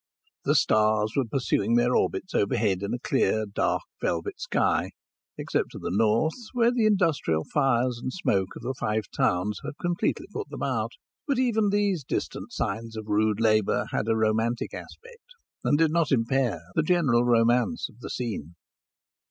The stars were pursuing their orbits overhead in a clear dark velvet sky, except to the north, where the industrial fires and smoke of the Five Towns had completely put them out. But even these distant signs of rude labour had a romantic aspect, and did not impair the general romance of the scene.